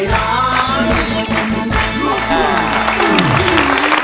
สวัสดีครับ